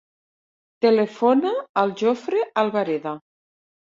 Telefona al Jofre Albareda.